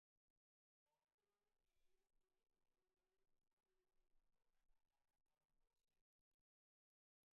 বর্তমানে তিনি ক্রিকেট ওয়েলিংটনের প্রধান নির্বাহী কর্মকর্তার দায়িত্ব পালন করছেন।